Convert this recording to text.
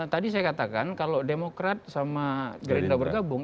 tadi saya katakan kalau demokrat sama gerindra bergabung